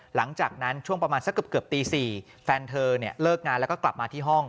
หลังจากนั้นช่วงประมาณสักเกือบตี๔แฟนเธอเนี่ยเลิกงานแล้วก็กลับมาที่ห้อง